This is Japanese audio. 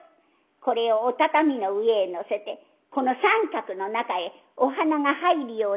これをお畳の上へのせてこの三角の中へお鼻が入るようなおじぎができますか？」。